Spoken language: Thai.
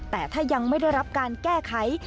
แต่ถ้ายังไม่ได้รับการแก้ไข